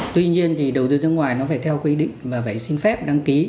tuy nhiên thì đầu tư nước ngoài nó phải theo quy định và phải xin phép đăng ký